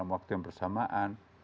waktu yang bersamaan